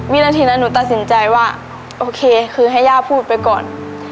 วินาทีนั้นหนูตัดสินใจว่าโอเคคือให้ย่าพูดไปก่อน